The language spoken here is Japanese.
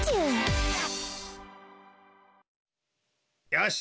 よし！